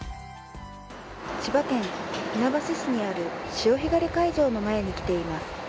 千葉県船橋市にある潮干狩り会場の前に来ています。